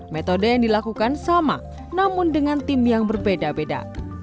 metode yang dilakukan sama namun dengan tim yang berbeda beda